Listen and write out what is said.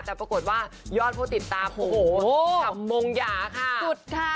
แต่ปรากฏว่ายอดผู้ติดตามโอ้โหขำมงหยาค่ะสุดค่ะ